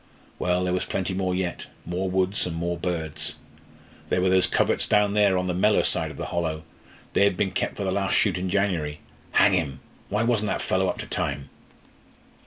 Well, there was plenty more yet, more woods, and more birds. There were those coverts down there, on the Mellor side of the hollow they had been kept for the last shoot in January. Hang him! why wasn't that fellow up to time?